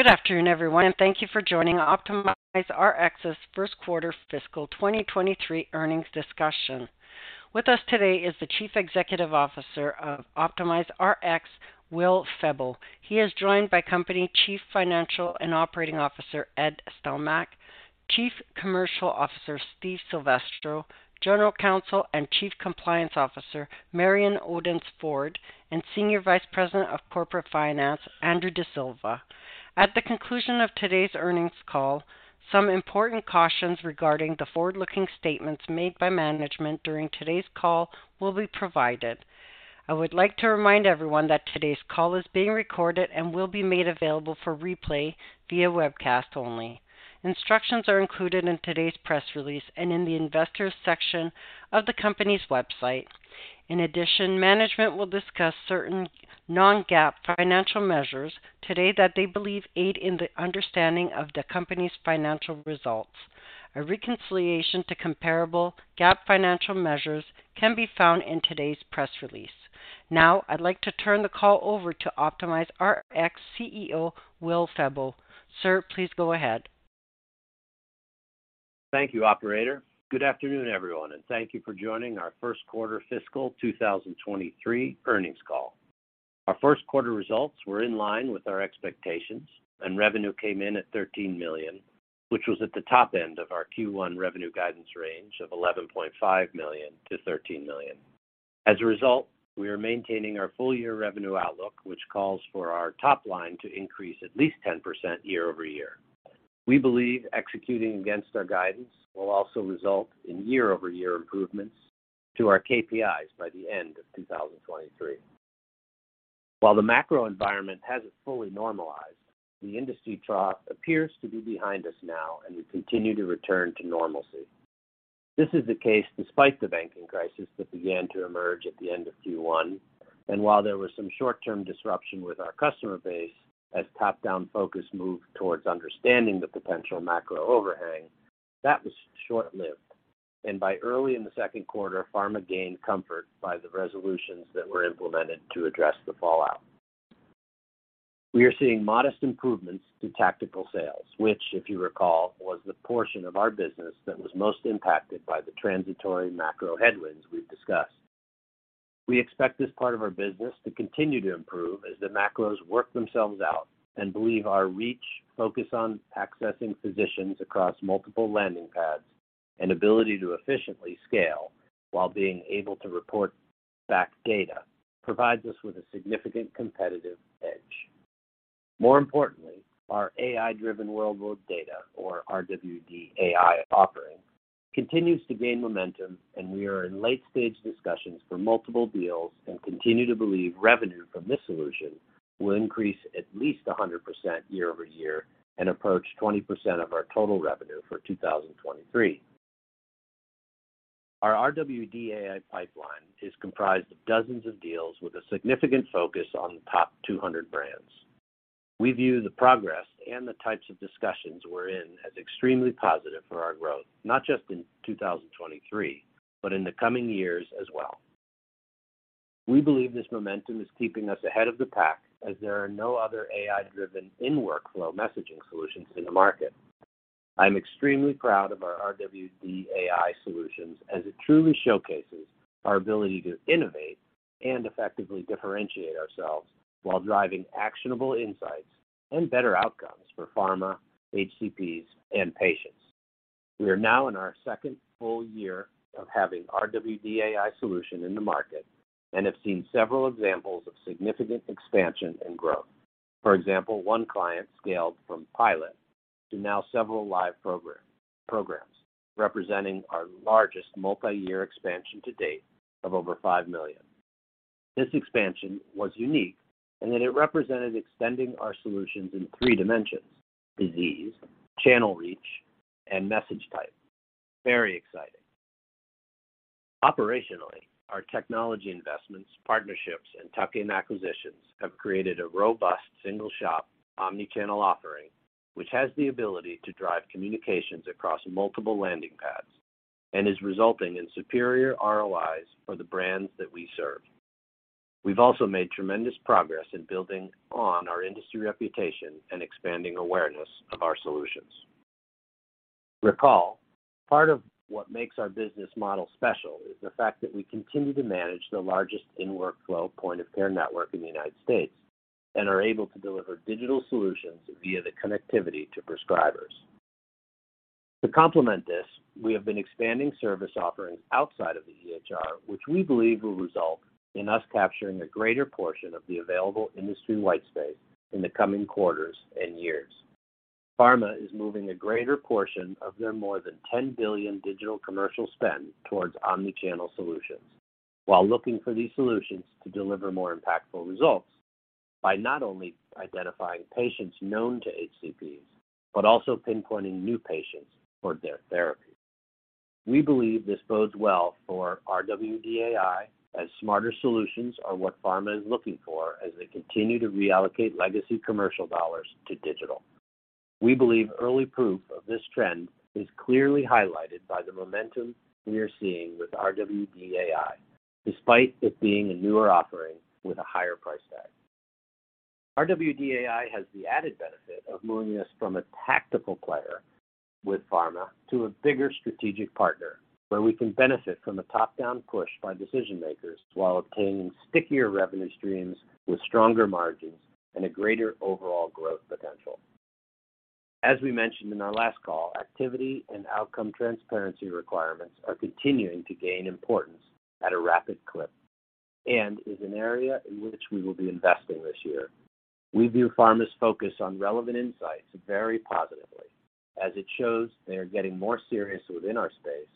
Good afternoon, everyone, thank you for joining OptimizeRx's Q1 fiscal 2023 earnings discussion. With us today is the Chief Executive Officer of OptimizeRx, Will Febbo. He is joined by Company Chief Financial and Operating Officer, Ed Stelmakh, Chief Commercial Officer, Steve Silvestro, General Counsel and Chief Compliance Officer, Marion Odence-Ford, and Senior Vice President of Corporate Finance, Andrew D'Silva. At the conclusion of today's earnings call, some important cautions regarding the forward-looking statements made by management during today's call will be provided. I would like to remind everyone that today's call is being recorded and will be made available for replay via webcast only. Instructions are included in today's press release and in the Investors section of the company's website. Management will discuss certain non-GAAP financial measures today that they believe aid in the understanding of the company's financial results. A reconciliation to comparable GAAP financial measures can be found in today's press release. Now, I'd like to turn the call over to OptimizeRx CEO, William Febbo. Sir, please go ahead. Thank you, operator. Good afternoon, everyone, and thank you for joining our first quarter fiscal 2023 earnings call. Our first quarter results were in line with our expectations, and revenue came in at $13 million, which was at the top end of our Q1 revenue guidance range of $11.5 million-$13 million. As a result, we are maintaining our full year revenue outlook, which calls for our top line to increase at least 10% year-over-year. We believe executing against our guidance will also result in year-over-year improvements to our KPIs by the end of 2023. While the macro environment hasn't fully normalized, the industry trough appears to be behind us now, and we continue to return to normalcy. This is the case despite the banking crisis that began to emerge at the end of Q1. And while there was some short-term disruption with our customer base as top-down focus moved towards understanding the potential macro overhang, that was short-lived. By early in the second quarter, pharma gained comfort by the resolutions that were implemented to address the fallout. We are seeing modest improvements to tactical sales, which, if you recall, was the portion of our business that was most impacted by the transitory macro headwinds we've discussed. We expect this part of our business to continue to improve as the macros work themselves out and believe our reach, focus on accessing physicians across multiple landing pads, and ability to efficiently scale while being able to report back data, provides us with a significant competitive edge. More importantly, our AI-driven Real World Data or RWD AI offering continues to gain momentum, we are in late-stage discussions for multiple deals and continue to believe revenue from this solution will increase at least 100% year-over-year and approach 20% of our total revenue for 2023. Our RWD AI pipeline is comprised of dozens of deals with a significant focus on top 200 brands. We view the progress and the types of discussions we're in as extremely positive for our growth, not just in 2023, but in the coming years as well. We believe this momentum is keeping us ahead of the pack as there are no other AI-driven in-workflow messaging solutions in the market. I'm extremely proud of our RWD AI solutions as it truly showcases our ability to innovate and effectively differentiate ourselves while driving actionable insights and better outcomes for pharma, HCPs, and patients. We are now in our second full year of having RWD AI solution in the market and have seen several examples of significant expansion and growth. For example, one client scaled from pilot to now several live programs, representing our largest multi-year expansion to date of over $5 million. This expansion was unique in that it represented extending our solutions in three dimensions: disease, channel reach, and message type. Very exciting. Operationally, our technology investments, partnerships, and tuck-in acquisitions have created a robust single shop omnichannel offering, which has the ability to drive communications across multiple landing pads and is resulting in superior ROIs for the brands that we serve. We've also made tremendous progress in building on our industry reputation and expanding awareness of our solutions. Recall, part of what makes our business model special is the fact that we continue to manage the largest in-workflow point-of-care network in the United States and are able to deliver digital solutions via the connectivity to prescribers. To complement this, we have been expanding service offerings outside of the EHR, which we believe will result in us capturing a greater portion of the available industry whitespace in the coming quarters and years. Pharma is moving a greater portion of their more than $10 billion digital commercial spend towards omnichannel solutions while looking for these solutions to deliver more impactful results by not only identifying patients known to HCPs, but also pinpointing new patients for their therapy. We believe this bodes well for RWD AI as smarter solutions are what pharma is looking for as they continue to reallocate legacy commercial dollars to digital. We believe early proof of this trend is clearly highlighted by the momentum we are seeing with RWD AI, despite it being a newer offering with a higher price tag. RWD AI has the added benefit of moving us from a tactical player with pharma to a bigger strategic partner, where we can benefit from a top-down push by decision-makers while obtaining stickier revenue streams with stronger margins and a greater overall growth potential. As we mentioned in our last call, activity and outcome transparency requirements are continuing to gain importance at a rapid clip and is an area in which we will be investing this year. We view pharma's focus on relevant insights very positively, as it shows they are getting more serious within our space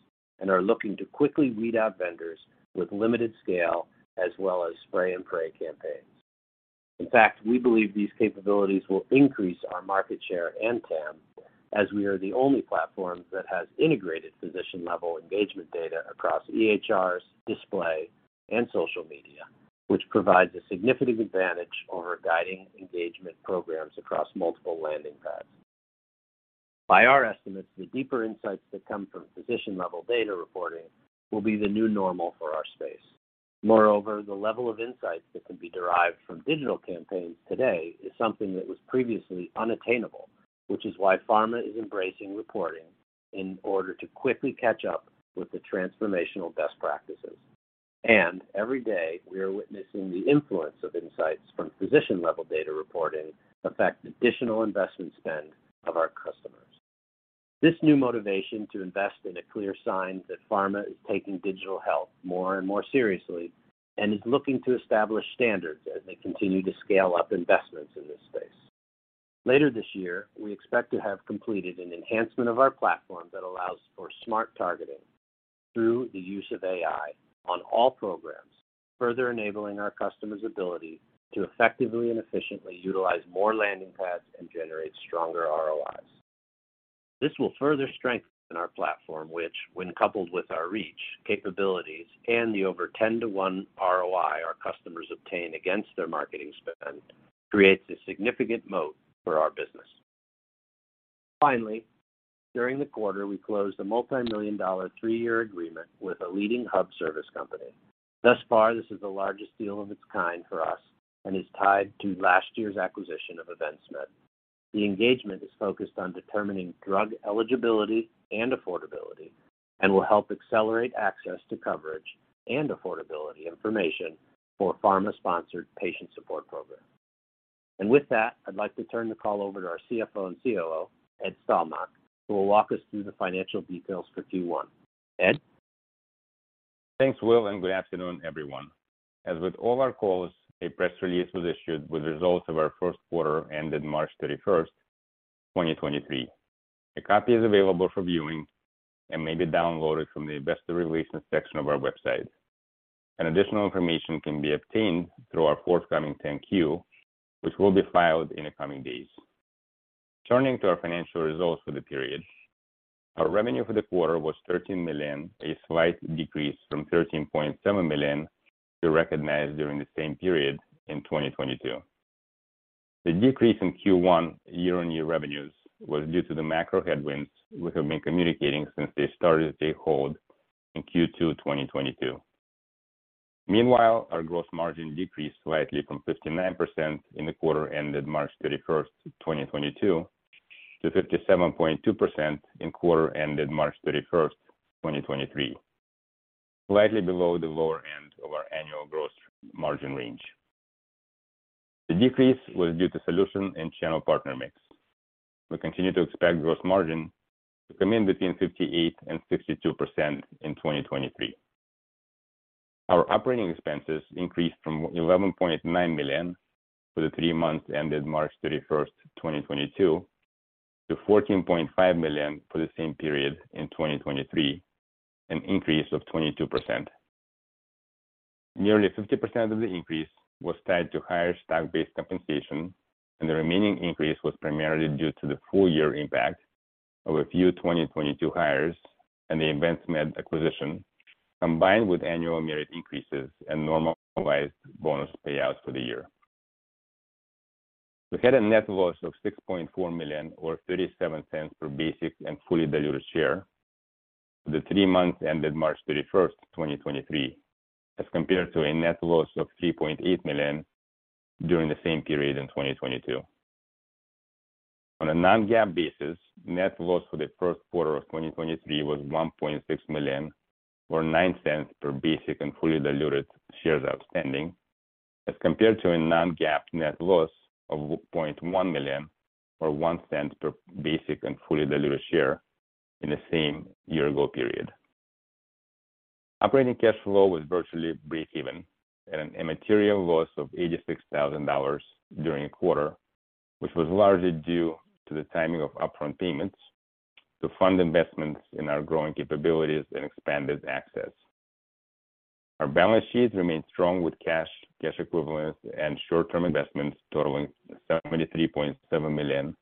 and are looking to quickly weed out vendors with limited scale as well as spray-and-pray campaigns. In fact, we believe these capabilities will increase our market share and TAM, as we are the only platform that has integrated physician-level engagement data across EHRs, display, and social media, which provides a significant advantage over guiding engagement programs across multiple landing pads. By our estimates, the deeper insights that come from physician-level data reporting will be the new normal for our space. Moreover, the level of insights that can be derived from digital campaigns today is something that was previously unattainable, which is why pharma is embracing reporting in order to quickly catch up with the transformational best practices. Every day, we are witnessing the influence of insights from physician-level data reporting affect additional investment spend of our customers. This new motivation to invest in a clear sign that pharma is taking digital health more and more seriously and is looking to establish standards as they continue to scale up investments in this space. Later this year, we expect to have completed an enhancement of our platform that allows for smart targeting through the use of AI on all programs, further enabling our customers' ability to effectively and efficiently utilize more landing pads and generate stronger ROIs. This will further strengthen our platform, which, when coupled with our reach, capabilities, and the over 10-to-1 ROI our customers obtain against their marketing spend, creates a significant moat for our business. Finally, during the quarter, we closed a multi-million dollar three-year agreement with a leading hub service company. Thus far, this is the largest deal of its kind for us and is tied to last year's acquisition of EvinceMed. The engagement is focused on determining drug eligibility and affordability and will help accelerate access to coverage and affordability information for pharma-sponsored patient support programs. With that, I'd like to turn the call over to our CFO and COO, Ed Stelmakh, who will walk us through the financial details for Q1. Ed? Thanks, Will. Good afternoon, everyone. As with all our calls, a press release was issued with results of our first quarter ended March 31st, 2023. A copy is available for viewing and may be downloaded from the Investor Relations section of our website. Additional information can be obtained through our forthcoming 10-Q, which will be filed in the coming days. Turning to our financial results for the period, our revenue for the quarter was $13 million, a slight decrease from $13.7 million we recognized during the same period in 2022. The decrease in Q1 year-on-year revenues was due to the macro headwinds we have been communicating since they started to take hold in Q2 2022. Meanwhile, our gross margin decreased slightly from 59% in the quarter ended March 31st, 2022, to 57.2% in quarter ended March 31st, 2023, slightly below the lower end of our annual gross margin range. The decrease was due to solution and channel partner mix. We continue to expect gross margin to come in between 58% and 62% in 2023. Our operating expenses increased from $11.9 million for the three months ended March 31st, 2022, to $14.5 million for the same period in 2023, an increase of 22%. Nearly 50% of the increase was tied to higher stock-based compensation, and the remaining increase was primarily due to the full-year impact of a few 2022 hires and the EvinceMed acquisition, combined with annual merit increases and normalized bonus payouts for the year. We had a net loss of $6.4 million or $0.37 per basic and fully diluted share for the three months ended March 31st, 2023, as compared to a net loss of $3.8 million during the same period in 2022. On a non-GAAP basis, net loss for the first quarter of 2023 was $1.6 million or $0.09 per basic and fully diluted shares outstanding as compared to a non-GAAP net loss of $0.1 million or $0.01 per basic and fully diluted share in the same year-ago period. Operating cash flow was virtually breakeven at an immaterial loss of $86,000 during the quarter, which was largely due to the timing of upfront payments to fund investments in our growing capabilities and expanded access. Our balance sheet remains strong with cash equivalents, and short-term investments totaling $73.7 million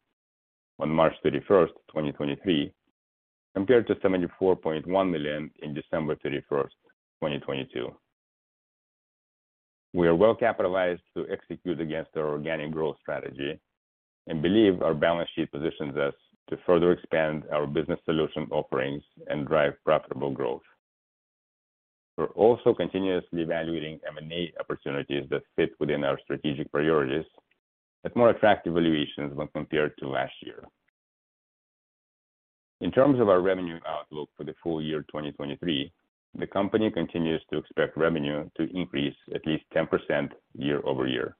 on March 31st, 2023, compared to $74.1 million in December 31st, 2022. We are well capitalized to execute against our organic growth strategy and believe our balance sheet positions us to further expand our business solution offerings and drive profitable growth. We're also continuously evaluating M&A opportunities that fit within our strategic priorities at more attractive valuations when compared to last year. In terms of our revenue outlook for the full year 2023, the company continues to expect revenue to increase at least 10% year-over-year.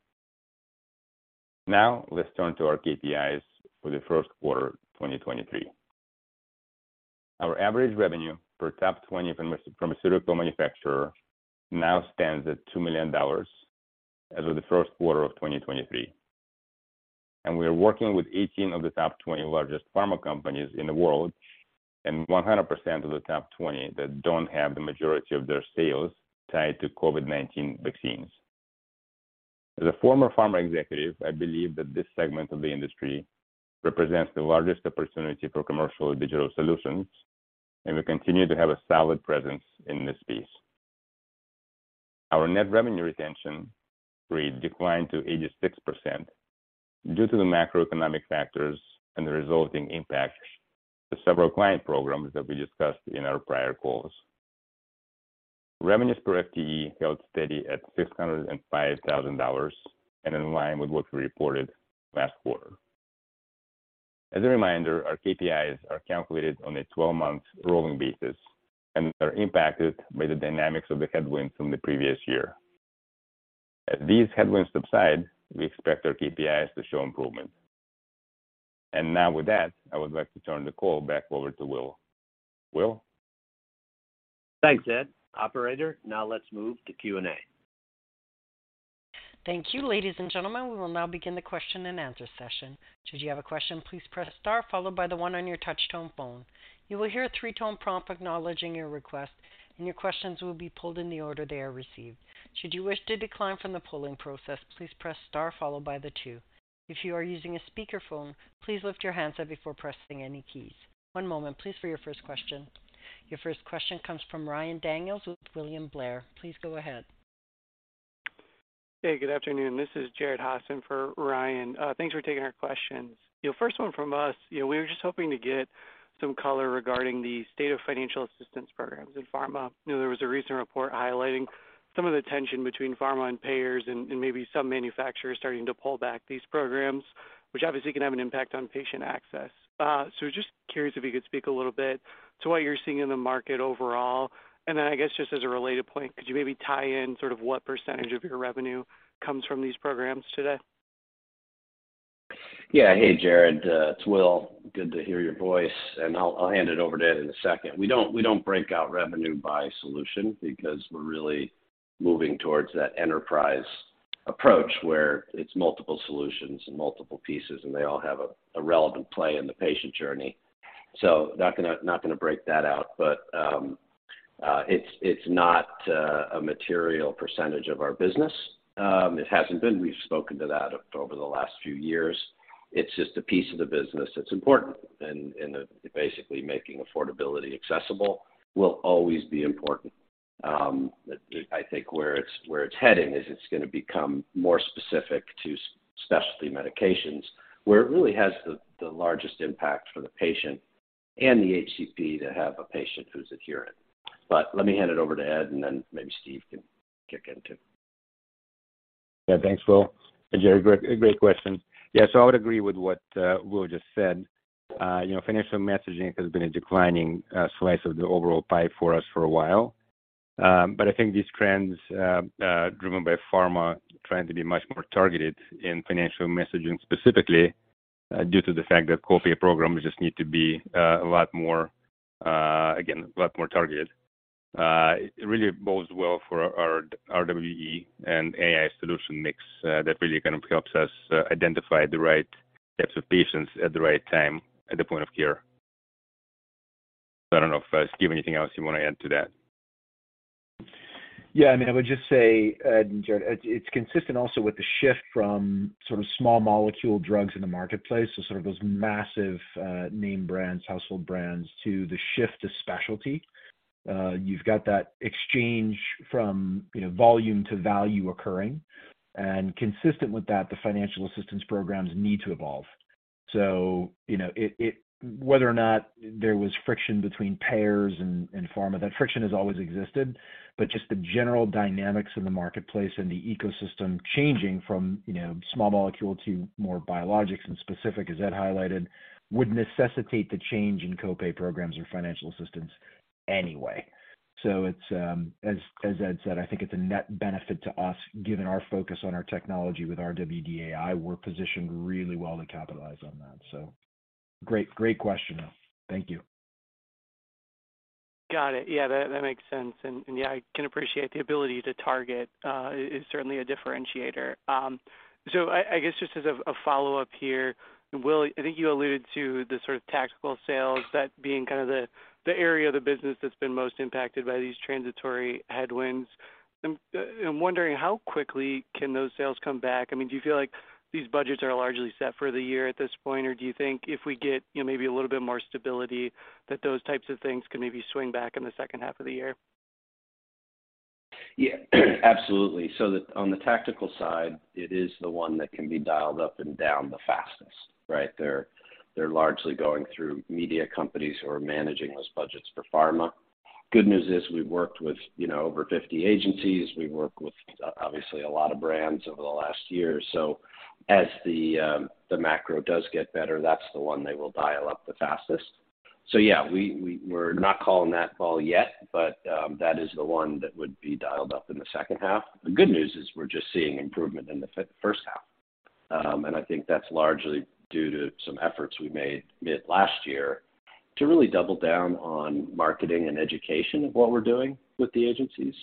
Let's turn to our KPIs for the first quarter 2023. Our average revenue per top 20 pharmaceutical manufacturer now stands at $2 million as of the first quarter of 2023. We are working with 18 of the top 20 largest pharma companies in the world and 100% of the top 20 that don't have the majority of their sales tied to COVID-19 vaccines. As a former pharma executive, I believe that this segment of the industry represents the largest opportunity for commercial digital solutions, and we continue to have a solid presence in this space. Our net revenue retention rate declined to 86% due to the macroeconomic factors and the resulting impact to several client programs that we discussed in our prior calls. Revenues per FTE held steady at $605,000 and in line with what we reported last quarter. As a reminder, our KPIs are calculated on a 12-month rolling basis and are impacted by the dynamics of the headwinds from the previous year. As these headwinds subside, we expect our KPIs to show improvement. Now with that, I would like to turn the call back over to Will. Will? Thanks, Ed. Operator, now let's move to Q&A. Thank you. Ladies and gentlemen, we will now begin the Q&A session. Should you have a question, please press star followed by the one on your touch tone phone. You will hear a three-tone prompt acknowledging your request, and your questions will be pulled in the order they are received. Should you wish to decline from the polling process, please press star followed by the two. If you are using a speakerphone, please lift your handset before pressing any keys. One moment please for your first question. Your first question comes from Ryan Daniels with William Blair. Please go ahead. Hey, good afternoon. This is Jared Hassey for Ryan Daniels. Thanks for taking our questions. You know, first one from us. You know, we were just hoping to get some color regarding the state of financial assistance programs in pharma. You know, there was a recent report highlighting some of the tension between pharma and payers and maybe some manufacturers starting to pull back these programs, which obviously can have an impact on patient access. Just curious if you could speak a little bit to what you're seeing in the market overall. Then I guess just as a related point, could you maybe tie in sort of what percentage of your revenue comes from these programs today? Yeah. Hey, Jared, it's Will. Good to hear your voice, and I'll hand it over to Ed in one second. We don't break out revenue by solution because we're really moving towards that enterprise approach where it's multiple solutions and multiple pieces, and they all have a relevant play in the patient journey. Not gonna break that out. It's not a material percentage of our business. It hasn't been. We've spoken to that over the last few years. It's just a piece of the business that's important and basically making affordability accessible will always be important. I think where it's heading is it's gonna become more specific to specialty medications, where it really has the largest impact for the patient and the HCP to have a patient who's adherent. Let me hand it over to Ed, and then maybe Steve can kick in too. Yeah. Thanks, Will. Jared, great question. Yeah. I would agree with what Will just said. You know, financial messaging has been a declining slice of the overall pie for us for a while. But I think these trends driven by pharma trying to be much more targeted in financial messaging, specifically, due to the fact that co-pay programs just need to be a lot more, again, a lot more targeted, it really bodes well for our RWE and AI solution mix. That really kind of helps us identify the right types of patients at the right time at the point-of-care. I don't know if Steve, anything else you wanna add to that? Yeah. I mean, I would just say, Jared, it's consistent also with the shift from sort of small molecule drugs in the marketplace. Sort of those massive, name brands, household brands to the shift to specialty. You've got that exchange from, you know, volume to value occurring. Consistent with that, the financial assistance programs need to evolve. You know, whether or not there was friction between payers and pharma, that friction has always existed. Just the general dynamics in the marketplace and the ecosystem changing from, you know, small molecule to more biologics and specific, as Ed highlighted, would necessitate the change in co-pay programs or financial assistance anyway. It's, as Ed said, I think it's a net benefit to us given our focus on our technology with RWD AI. We're positioned really well to capitalize on that. Great question, though. Thank you. Got it. Yeah, that makes sense. Yeah, I can appreciate the ability to target, is certainly a differentiator. I guess just as a follow-up here. Will, I think you alluded to the sort of tactical sales, that being kind of the area of the business that's been most impacted by these transitory headwinds. I'm wondering how quickly can those sales come back? I mean, do you feel like these budgets are largely set for the year at this point? Do you think if we get, you know, maybe a little bit more stability, that those types of things can maybe swing back in the second half of the year? Yeah, absolutely. On the tactical side, it is the one that can be dialed up and down the fastest, right? They're largely going through media companies who are managing those budgets for pharma. Good news is we've worked with, you know, over 50 agencies. We've worked with obviously a lot of brands over the last year or so. As the macro does get better, that's the one they will dial up the fastest. Yeah, we're not calling that ball yet, but that is the one that would be dialed up in the H2. The good news is we're just seeing improvement in the first half. I think that's largely due to some efforts we made mid last year to really double down on marketing and education of what we're doing with the agencies,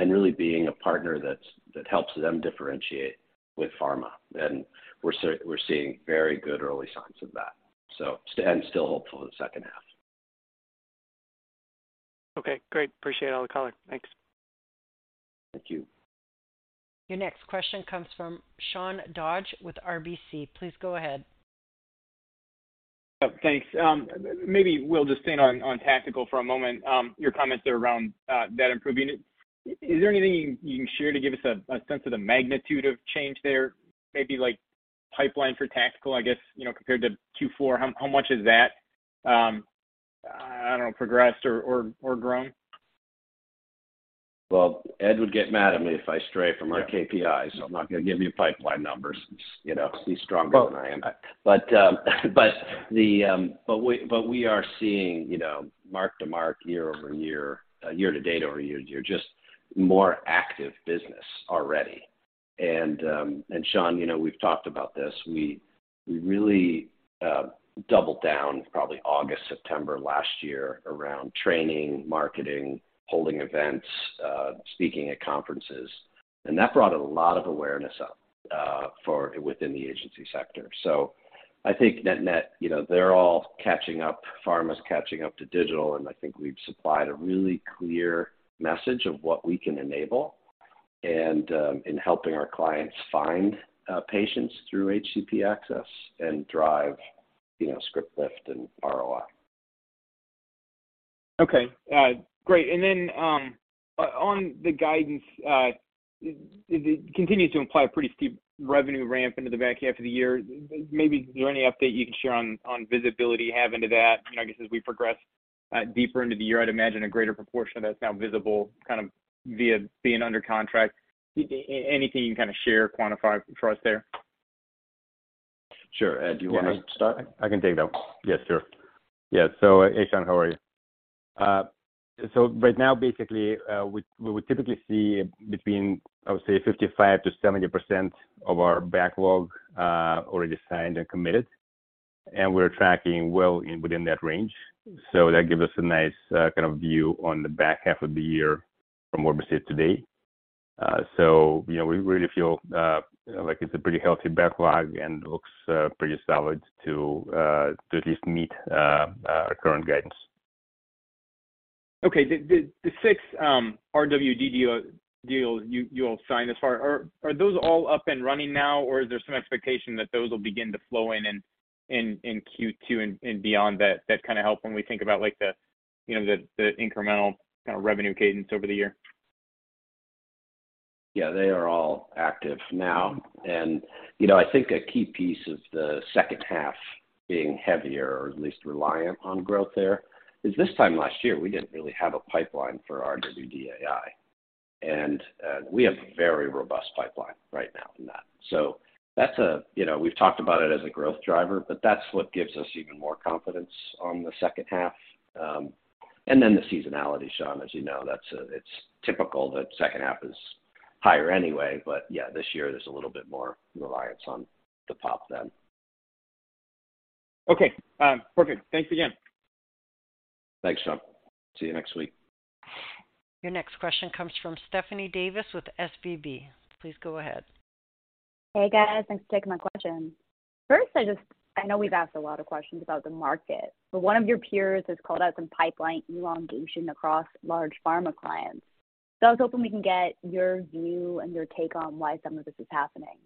and really being a partner that helps them differentiate with pharma. We're seeing very good early signs of that. Still hopeful in the second half. Okay, great. Appreciate all the color. Thanks. Thank you. Your next question comes from Sean Dodge with RBC. Please go ahead. Oh, thanks. Maybe we'll just stay on tactical for a moment. Your comments there around that improving it. Is there anything you can share to give us a sense of the magnitude of change there? Maybe like pipeline for tactical, I guess, you know, compared to Q4, how much has that, I don't know, progressed or grown? Well, Ed would get mad at me if I stray from our KPIs, so I'm not gonna give you pipeline numbers. You know, he's stronger than I am. But we are seeing, you know, mark-to-mark, year-over-year, year to date over year to year, just more active business already. Sean, you know, we've talked about this. We really doubled down probably August, September last year around training, marketing, holding events, speaking at conferences, and that brought a lot of awareness up for within the agency sector. I think net-net, you know, they're all catching up. Pharma's catching up to digital, and I think we've supplied a really clear message of what we can enable and, in helping our clients find, patients through HCP access and drive, you know, script lift and ROI. Okay. Great. On the guidance, it continues to imply a pretty steep revenue ramp into the back half of the year. Maybe is there any update you can share on visibility you have into that? You know, I guess as we progress deeper into the year, I'd imagine a greater proportion of that's now visible kind of via being under contract. Anything you can kind of share or quantify for us there? Sure. Ed, do you want me to start? Yeah. I can take that one. Yes, sure. Yeah. Hey, Sean. How are you? Right now, basically, we would typically see between, I would say, 55%-70% of our backlog, already signed and committed, and we're tracking well in within that range. That gives us a nice, kind of view on the back half of the year from where we sit today. You know, we really feel, like it's a pretty healthy backlog and looks, pretty solid to at least meet, our current guidance. Okay. The six RWD deals you all signed thus far, are those all up and running now or is there some expectation that those will begin to flow in Q2 and beyond that kind of help when we think about like the, you know, the incremental kind of revenue cadence over the year? Yeah, they are all active now. You know, I think a key piece of the second half being heavier or at least reliant on growth there is this time last year, we didn't really have a pipeline for RWD AI. We have a very robust pipeline right now in that. That's. You know, we've talked about it as a growth driver, but that's what gives us even more confidence on the second half. Then the seasonality, Sean, as you know, that's typical that second half is higher anyway. Yeah, this year there's a little bit more reliance on the pop then. Okay. perfect. Thanks again. Thanks, Sean. See you next week. Your next question comes from Stephanie Davis with SVB Securities. Please go ahead. Hey, guys. Thanks for taking my question. First, I know we've asked a lot of questions about the market, but one of your peers has called out some pipeline elongation across large pharma clients. I was hoping we can get your view and your take on why some of this is happening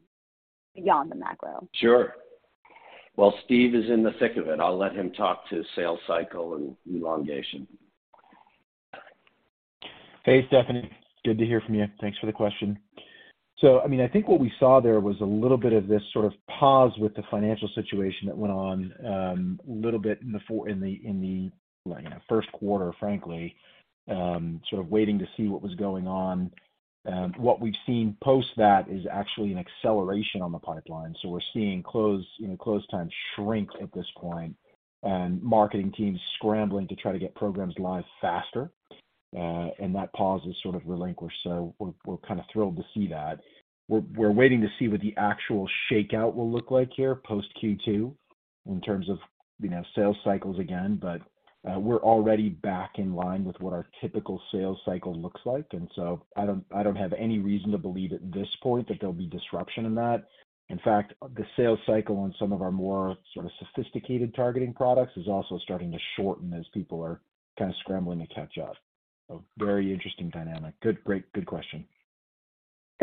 beyond the macro. Sure. Well, Steve is in the thick of it. I'll let him talk to sales cycle and elongation. Okay. Hey, Stephanie. Good to hear from you. Thanks for the question. I mean, I think what we saw there was a little bit of this sort of pause with the financial situation that went on, a little bit in the first quarter, frankly, sort of waiting to see what was going on. What we've seen post that is actually an acceleration on the pipeline. We're seeing close, you know, close time shrink at this point and marketing teams scrambling to try to get programs live faster. That pause is sort of relinquished, so we're kind of thrilled to see that. We're waiting to see what the actual shakeout will look like here post Q2 in terms of, you know, sales cycles again. We're already back in line with what our typical sales cycle looks like. I don't have any reason to believe at this point that there'll be disruption in that. In fact, the sales cycle on some of our more sort of sophisticated targeting products is also starting to shorten as people are kind of scrambling to catch up. Very interesting dynamic. Good, great. Good question.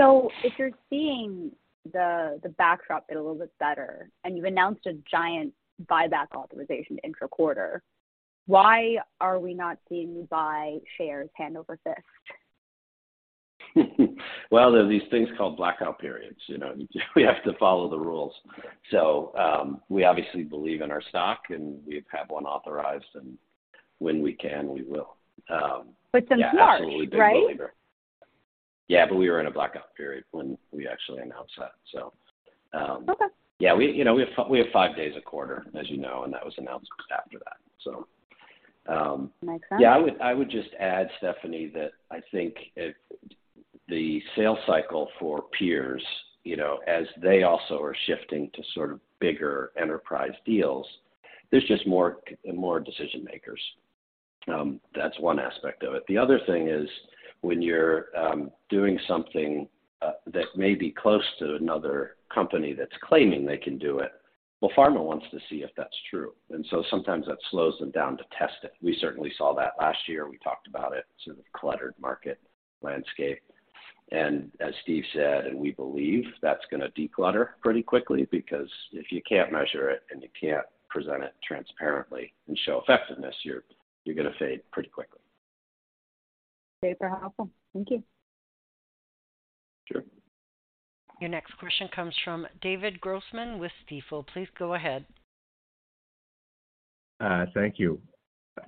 If you're seeing the backdrop get a little bit better and you've announced a giant buyback authorization inter-quarter, why are we not seeing you buy shares hand over fist? There are these things called blackout periods. You know, we have to follow the rules. We obviously believe in our stock, and we have one authorized, and when we can, we will. Since March, right? Yeah, we were in a blackout period when we actually announced that. Okay. Yeah, we, you know, we have five days a quarter, as you know, and that was announced after that. Makes sense. Yeah, I would just add, Stephanie, that I think if the sales cycle for peers, you know, as they also are shifting to sort of bigger enterprise deals, there's just more, more decision-makers. That's one aspect of it. The other thing is when you're doing something that may be close to another company that's claiming they can do it, well, pharma wants to see if that's true. Sometimes that slows them down to test it. We certainly saw that last year. We talked about it, sort of cluttered market landscape. As Steve said, and we believe that's gonna declutter pretty quickly because if you can't measure it and you can't present it transparently and show effectiveness, you're gonna fade pretty quickly. Okay. Very helpful. Thank you. Sure. Your next question comes from David Grossman with Stifel. Please go ahead. Thank you.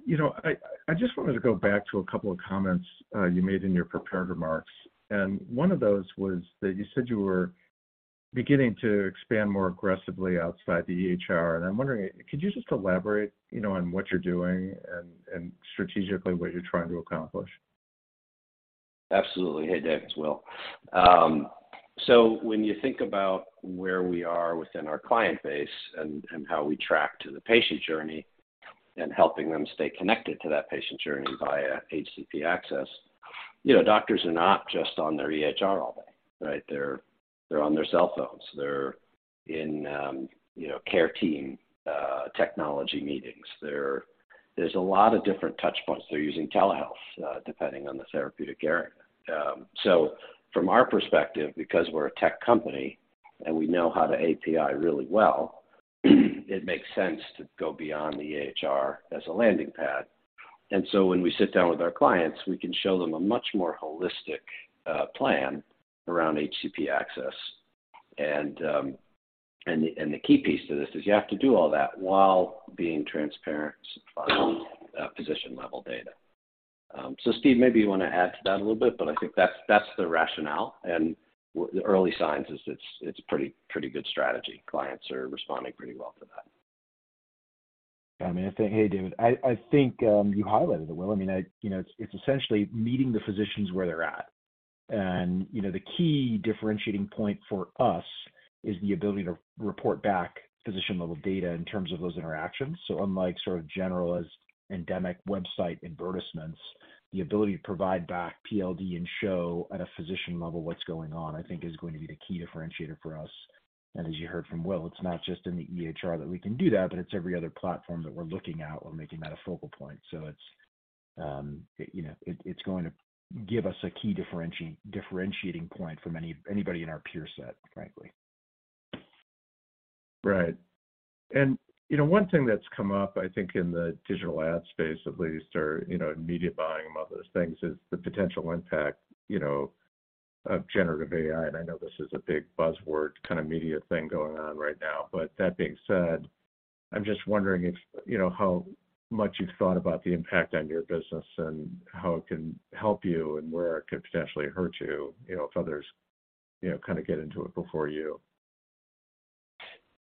You know, I just wanted to go back to a couple of comments, you made in your prepared remarks. One of those was that you said you were beginning to expand more aggressively outside the EHR. I'm wondering, could you just elaborate, you know, on what you're doing and strategically what you're trying to accomplish? Absolutely. Hey, David, it's Will. When you think about where we are within our client base and how we track to the patient journey and helping them stay connected to that patient journey via HCP access, you know, doctors are not just on their EHR all day, right? They're on their cell phones. They're in, you know, care team technology meetings. There's a lot of different touch points. They're using telehealth, depending on the therapeutic area. From our perspective, because we're a tech company and we know how to API really well, it makes sense to go beyond the EHR as a landing pad. When we sit down with our clients, we can show them a much more holistic plan around HCP access. The key piece to this is you have to do all that while being transparent, supplying position-level data. Steve, maybe you wanna add to that a little bit, but I think that's the rationale and the early signs is it's pretty good strategy. Clients are responding pretty well to that. I mean, Hey, David. I think you highlighted it, Will. I mean, you know, it's essentially meeting the physicians where they're at. You know, the key differentiating point for us is the ability to report back physician-level data in terms of those interactions. Unlike sort of generalist endemic website advertisements, the ability to provide back PLD and show at a physician level what's going on, I think is going to be the key differentiator for us. As you heard from Will, it's not just in the EHR that we can do that, but it's every other platform that we're looking at, we're making that a focal point. It's, you know, it's going to give us a key differentiating point from anybody in our peer set, frankly. Right. You know, one thing that's come up, I think in the digital ad space at least, or, you know, in media buying among other things, is the potential impact, you know, of generative AI. I know this is a big buzzword kind of media thing going on right now. That being said, I'm just wondering if, you know, how much you've thought about the impact on your business and how it can help you and where it could potentially hurt you know, if others, you know, kind of get into it before you?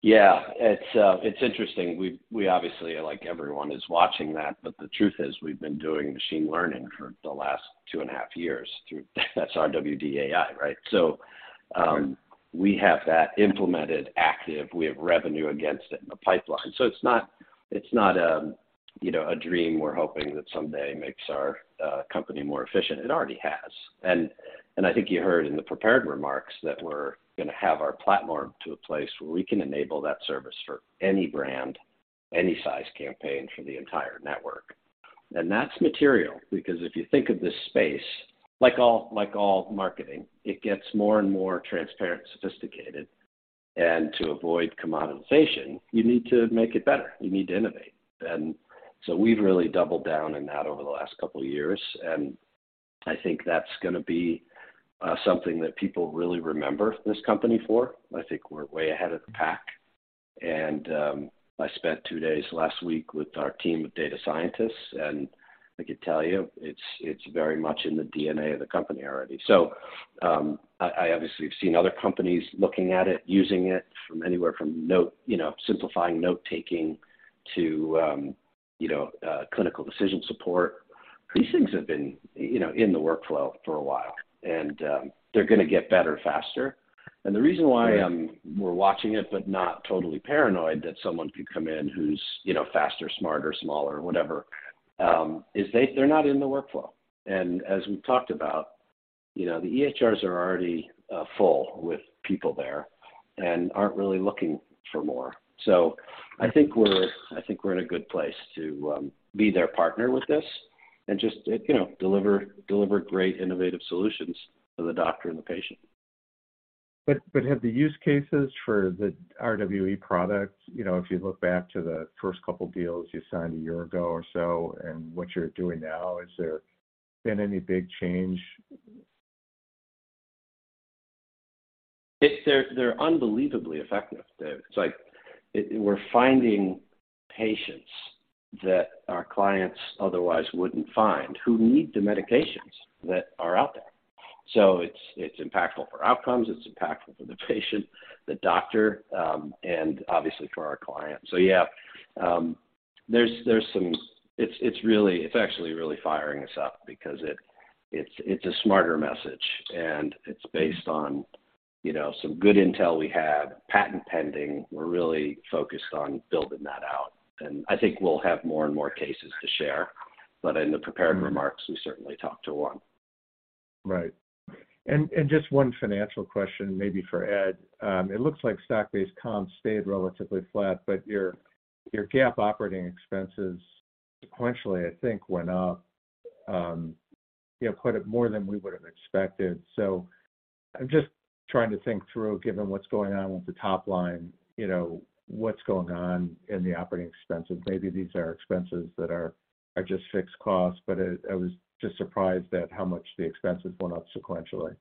It's interesting. We obviously, like everyone, is watching that. The truth is we've been doing machine learning for the last 2.5 years through... That's our RWDAI, right? We have that implemented active. We have revenue against it in the pipeline. It's not a, you know, a dream we're hoping that someday makes our company more efficient. It already has. I think you heard in the prepared remarks that we're gonna have our platform to a place where we can enable that service for any brand, any size campaign for the entire network. That's material because if you think of this space, like all marketing, it gets more and more transparent, sophisticated. To avoid commoditization, you need to make it better. You need to innovate. We've really doubled down on that over the last couple of years, and I think that's going to be something that people really remember this company for. I think we're way ahead of the pack. I spent two days last week with our team of data scientists, and I could tell you it's very much in the DNA of the company already. I obviously have seen other companies looking at it, using it from anywhere from note, you know, simplifying note-taking to clinical decision support. These things have been, you know, in the workflow for a while, and they're going to get better faster. The reason why we're watching it but not totally paranoid that someone could come in who's, you know, faster, smarter, smaller, whatever, is they're not in the workflow. As we've talked about, you know, the EHRs are already full with people there and aren't really looking for more. I think we're, I think we're in a good place to be their partner with this. Just, you know, deliver great innovative solutions for the doctor and the patient. Have the use cases for the RWE products, you know, if you look back to the first couple deals you signed a year ago or so and what you're doing now, has there been any big change? They're unbelievably effective. It's like we're finding patients that our clients otherwise wouldn't find who need the medications that are out there. It's impactful for outcomes, it's impactful for the patient, the doctor, and obviously for our clients. Yeah, there's some... It's really, it's actually really firing us up because it's a smarter message, and it's based on, you know, some good intel we had, patent pending. We're really focused on building that out. I think we'll have more and more cases to share. In the prepared remarks, we certainly talked to one. Right. Just one financial question, maybe for Ed. It looks like stock-based comp stayed relatively flat, but your GAAP operating expenses sequentially, I think, went up, quite a more than we would have expected. I'm just trying to think through, given what's going on with the top line, what's going on in the operating expenses. Maybe these are expenses that are just fixed costs, but I was just surprised at how much the expenses went up sequentially.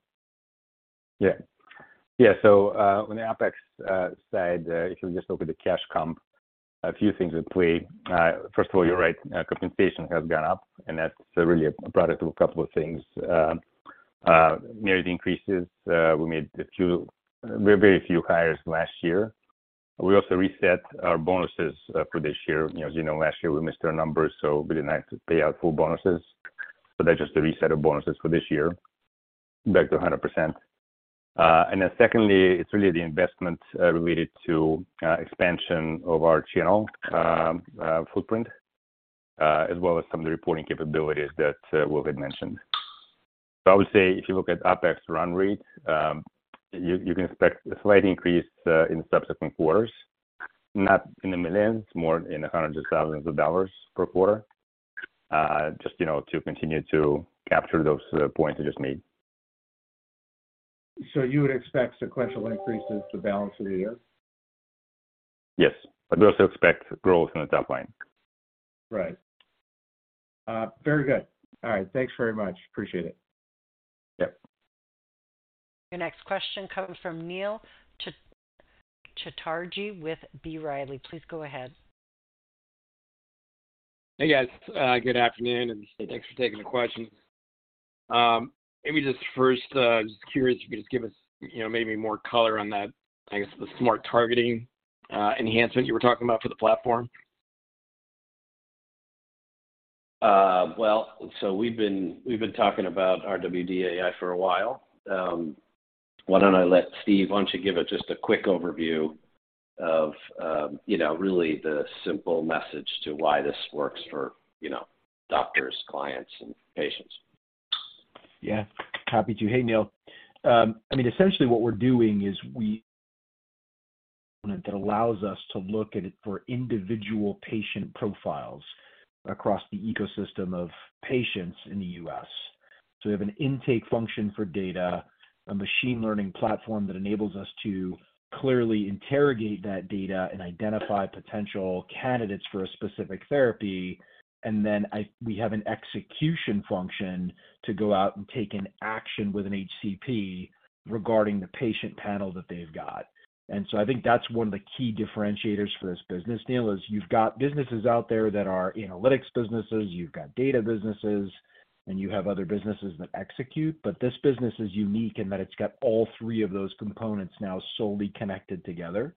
On the OpEx side, if you just look at the cash comp, a few things at play. First of all, you're right, compensation has gone up, and that's really a product of a couple of things. Merit increases, we made very few hires last year. We also reset our bonuses for this year. You know, as you know, last year we missed our numbers, so we didn't have to pay out full bonuses. That's just a reset of bonuses for this year, back to 100%. Secondly, it's really the investment related to expansion of our channel footprint, as well as some of the reporting capabilities that Will had mentioned. I would say if you look at OpEx run rate, you can expect a slight increase in subsequent quarters, not in the millions, more in the hundreds of thousands of dollars per quarter, just, you know, to continue to capture those points I just made. You would expect sequential increases the balance of the year? Yes. We also expect growth in the top line. Right. Very good. All right. Thanks very much. Appreciate it. Yep. Your next question comes from Neil Chatterji with B. Riley. Please go ahead. Hey, guys. Good afternoon, and thanks for taking the question. Maybe just first, just curious if you could just give us, you know, maybe more color on that, I guess, the smart targeting enhancement you were talking about for the platform? Well, we've been talking about our RWD AI for a while. Why don't you give it just a quick overview of, you know, really the simple message to why this works for, you know, doctors, clients, and patients. Yeah. Happy to. Hey, Neil. I mean, essentially what we're doing is that allows us to look at it for individual patient profiles across the ecosystem of patients in the U.S. We have an intake function for data, a machine learning platform that enables us to clearly interrogate that data and identify potential candidates for a specific therapy. Then we have an execution function to go out and take an action with an HCP regarding the patient panel that they've got. I think that's one of the key differentiators for this business, Neil, is you've got businesses out there that are analytics businesses, you've got data businesses, and you have other businesses that execute. This business is unique in that it's got all three of those components now solely connected together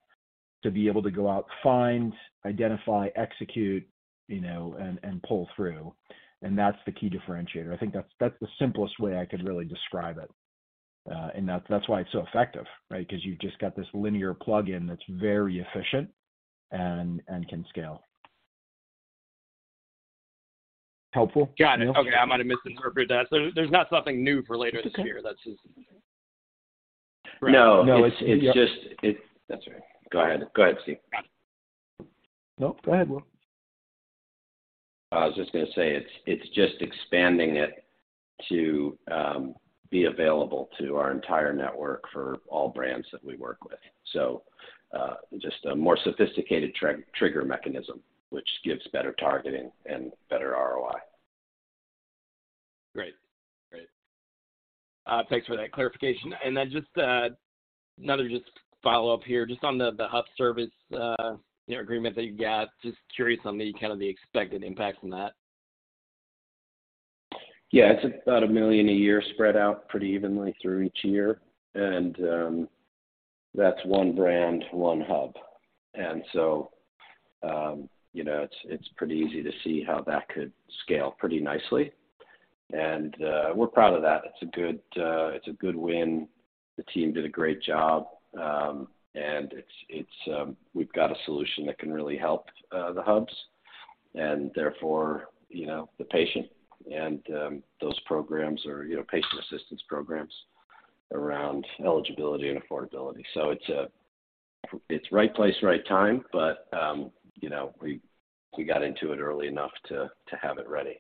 to be able to go out, find, identify, execute, you know, and pull through. That's the key differentiator. I think that's the simplest way I could really describe it. And that's why it's so effective, right? 'Cause you've just got this linear plugin that's very efficient and can scale. Helpful, Neil? Got it. Okay. I might have misinterpreted that. There's not something new for later this year. It's okay. That's just... No. No. It's. Yeah. It... That's all right. Go ahead. Go ahead, Steve. Nope, go ahead, Will. I was just gonna say it's just expanding it to be available to our entire network for all brands that we work with. Just a more sophisticated trigger mechanism, which gives better targeting and better ROI. Great. Thanks for that clarification. Just another just follow-up here, just on the hub service, you know, agreement that you got. Just curious on the kind of the expected impact from that. It's about $1 million a year spread out pretty evenly through each year. That's one brand, one hub. You know, it's pretty easy to see how that could scale pretty nicely. We're proud of that. It's a good, it's a good win. The team did a great job. It's, it's, we've got a solution that can really help the hubs and therefore, you know, the patient and those programs or, you know, patient assistance programs around eligibility and affordability. It's right place, right time, but, you know, we got into it early enough to have it ready.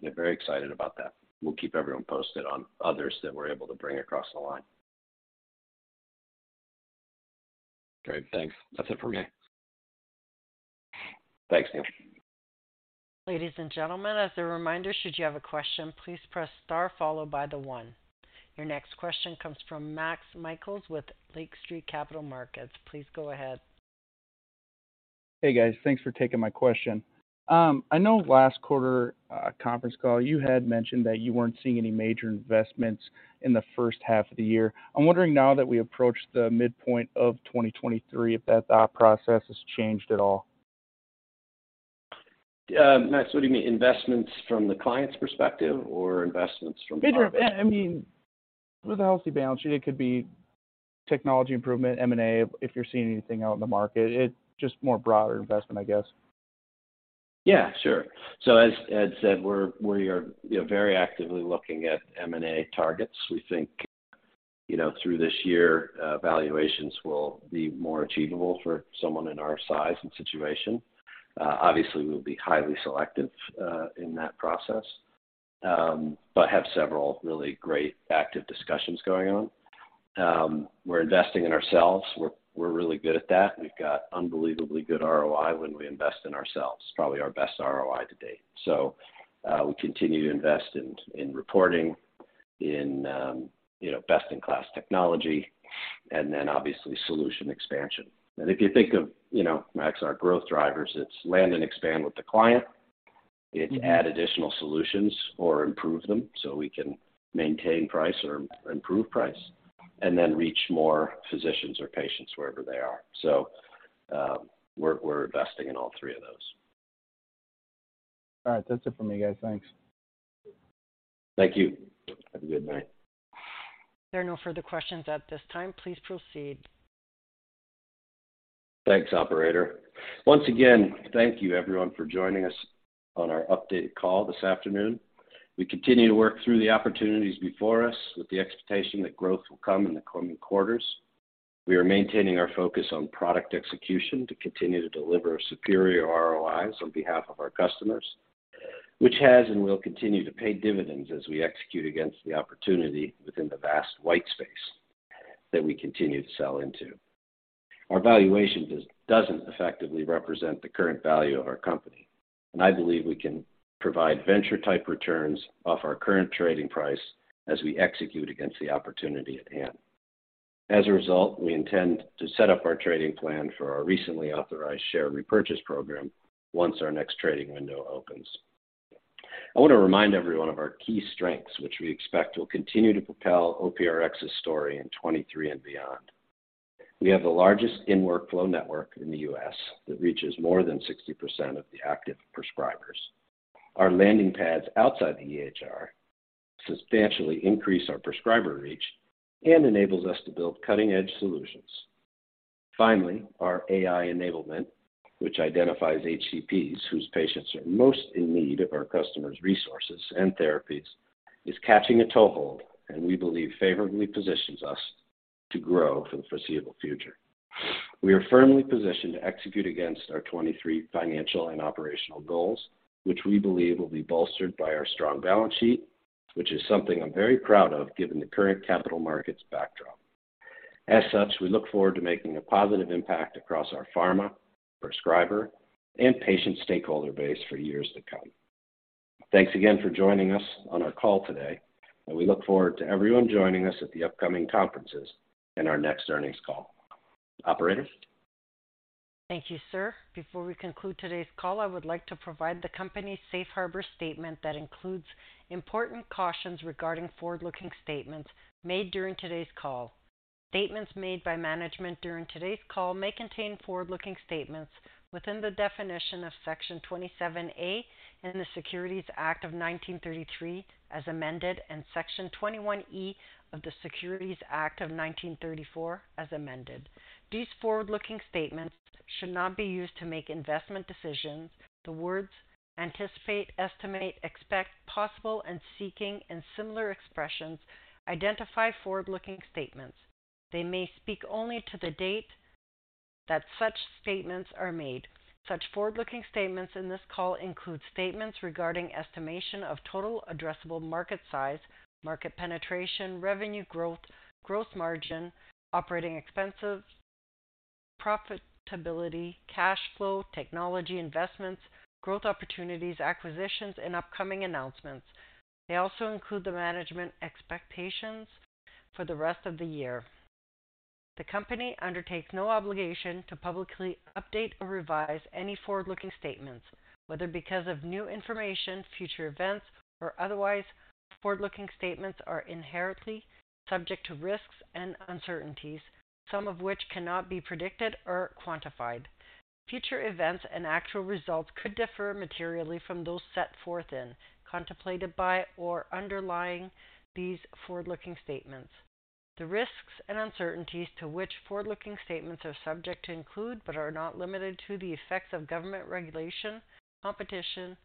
We're very excited about that. We'll keep everyone posted on others that we're able to bring across the line. Great. Thanks. That's it for me. Thanks, Neil. Ladies and gentlemen, as a reminder, should you have a question, please press star followed by the one. Your next question comes from Max Michaels with Lake Street Capital Markets. Please go ahead. Hey, guys. Thanks for taking my question. I know last quarter, conference call, you had mentioned that you weren't seeing any major investments in the first half of the year. I'm wondering now that we approach the midpoint of 2023, if that thought process has changed at all. Max, what do you mean? Investments from the client's perspective or investments from our- I mean, with a healthy balance sheet, it could be technology improvement, M&A, if you're seeing anything out in the market. just more broader investment, I guess. Yeah, sure. As Ed said, we are, you know, very actively looking at M&A targets. We think, you know, through this year, valuations will be more achievable for someone in our size and situation. Obviously, we'll be highly selective in that process, have several really great active discussions going on. We're investing in ourselves. We're really good at that. We've got unbelievably good ROI when we invest in ourselves, probably our best ROI to date. We continue to invest in reporting, in, you know, best-in-class technology, and then obviously solution expansion. If you think of, you know, Max, our growth drivers, it's land and expand with the client. It's add additional solutions or improve them so we can maintain price or improve price and then reach more physicians or patients wherever they are. We're investing in all three of those. That's it for me, guys. Thanks. Thank you. Have a good night. There are no further questions at this time. Please proceed. Thanks, operator. Once again, thank you everyone for joining us on our updated call this afternoon. We continue to work through the opportunities before us with the expectation that growth will come in the coming quarters. We are maintaining our focus on product execution to continue to deliver superior ROIs on behalf of our customers, which has and will continue to pay dividends as we execute against the opportunity within the vast white space that we continue to sell into. Our valuation doesn't effectively represent the current value of our company, and I believe we can provide venture-type returns off our current trading price as we execute against the opportunity at hand. As a result, we intend to set up our trading plan for our recently authorized share repurchase program once our next trading window opens. I want to remind everyone of our key strengths, which we expect will continue to propel OPRX's story in 2023 and beyond. We have the largest in-workflow network in the U.S. that reaches more than 60% of the active prescribers. Our landing pads outside the EHR substantially increase our prescriber reach and enables us to build cutting-edge solutions. Finally, our AI enablement, which identifies HCPs whose patients are most in need of our customers' resources and therapies, is catching a toehold, and we believe favorably positions us to grow for the foreseeable future. We are firmly positioned to execute against our 2023 financial and operational goals, which we believe will be bolstered by our strong balance sheet. Which is something I'm very proud of given the current capital markets backdrop. As such, we look forward to making a positive impact across our pharma, prescriber, and patient stakeholder base for years to come. Thanks again for joining us on our call today, and we look forward to everyone joining us at the upcoming conferences and our next earnings call. Operator? Thank you, sir. Before we conclude today's call, I would like to provide the company's Safe Harbor statement that includes important cautions regarding forward-looking statements made during today's call. Statements made by management during today's call may contain forward-looking statements within the definition of Section 27A in the Securities Act of 1933, as amended, and Section 21E of the Securities Act of 1934, as amended. These forward-looking statements should not be used to make investment decisions. The words anticipate, estimate, expect, possible, and seeking, and similar expressions identify forward-looking statements. They may speak only to the date that such statements are made. Such forward-looking statements in this call include statements regarding estimation of total addressable market size, market penetration, revenue growth, gross margin, operating expenses, profitability, cash flow, technology investments, growth opportunities, acquisitions, and upcoming announcements. They also include the management expectations for the rest of the year. The company undertakes no obligation to publicly update or revise any forward-looking statements, whether because of new information, future events, or otherwise. Forward-looking statements are inherently subject to risks and uncertainties, some of which cannot be predicted or quantified. Future events and actual results could differ materially from those set forth in, contemplated by, or underlying these forward-looking statements. The risks and uncertainties to which forward-looking statements are subject to include, but are not limited to, the effects of government regulation, competition,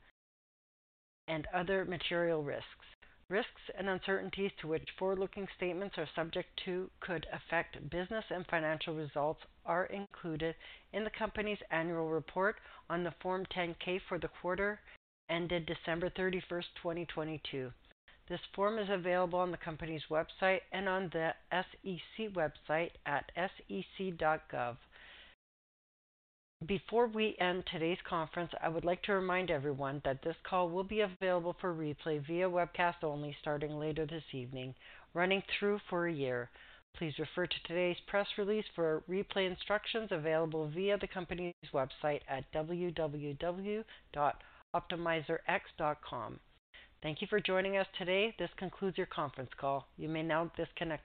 and other material risks. Risks and uncertainties to which forward-looking statements are subject to could affect business and financial results are included in the company's annual report on the Form 10-K for the quarter ended December 31st, 2022. This form is available on the company's website and on the SEC website at sec.gov. Before we end today's conference, I would like to remind everyone that this call will be available for replay via webcast only starting later this evening, running through for a year. Please refer to today's press release for replay instructions available via the company's website at www.optimizerx.com. Thank you for joining us today. This concludes your conference call. You may now disconnect your lines.